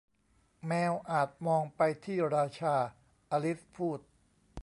แมวอาจมองไปที่ราชา อลิซพูด